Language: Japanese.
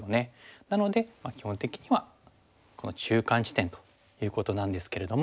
なので基本的にはこの中間地点ということなんですけれども。